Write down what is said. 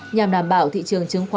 nhằm đảm bảo thị trường chứng khoán